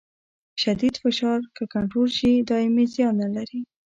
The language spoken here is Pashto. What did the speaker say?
شدید فشار که کنټرول شي دایمي زیان نه لري.